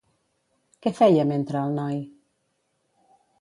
Què feia mentre el noi?